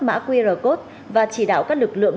mã qr code và chỉ đạo các lực lượng